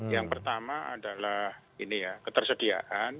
yang pertama adalah ini ya ketersediaan